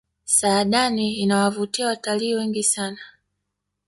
saadani inawavutia watalii wengi sana